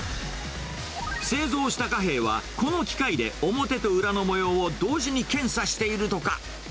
製造した貨幣は、この機械で表と裏の模様を同時に検査しているとか。